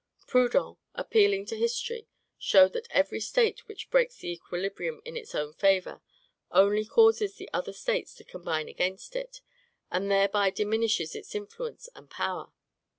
Proudhon, appealing to history, showed that every State which breaks the equilibrium in its own favor only causes the other States to combine against it, and thereby diminishes its influence and power.